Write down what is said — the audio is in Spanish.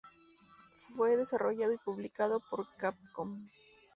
Fue desarrollado y publicado por Capcom.